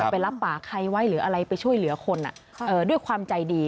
ไปรับปากใครไว้หรืออะไรไปช่วยเหลือคนด้วยความใจดี